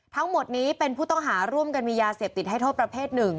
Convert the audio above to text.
ทั้งหมดนี้เป็นผู้ต้องหาร่วมกันมียาเสพติดให้โทษประเภทหนึ่ง